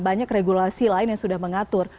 banyak regulasi lain yang sudah mengatur